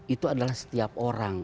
itu adalah setiap orang